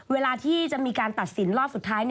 เวลาที่จะมีการตัดสินรอบสุดท้าย